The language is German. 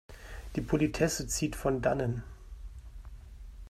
Die Politesse zieht von Dannen.